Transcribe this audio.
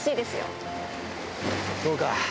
そうか！